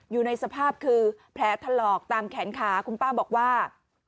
อยู่ในสภาพคือแผลถลอกตามแขนขาคุณป้าบอกว่า